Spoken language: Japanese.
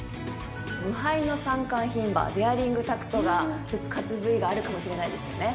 無敗の三冠牝馬デアリングタクトが復活Ｖがあるかもしれないですよね。